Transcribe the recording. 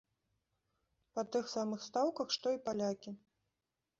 Па тых самых стаўках, што і палякі.